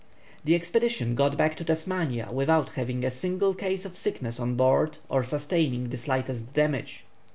_] The expedition got back to Tasmania without having a single case of sickness on board or sustaining the slightest damage.